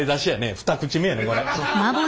二口目やねこれ。